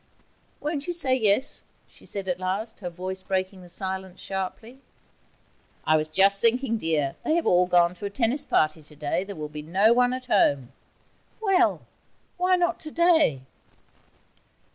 'Won't you say yes?' she said at last, her voice breaking the silence sharply. 'I was just thinking, dear: they have all gone to a tennis party today. There'll be no one at home.' 'Well! why not today?'